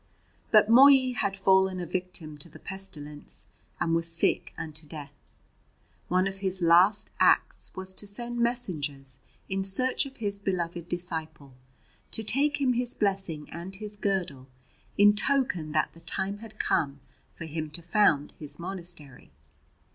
But Mobhi had fallen a victim to the pestilence and was sick unto death. One of his last acts was to send messengers in search of his beloved disciple, to take him his blessing and his girdle in token that the time had come for him to found his monastery.